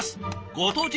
ご当地